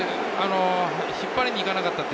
引っ張りにいかなかった。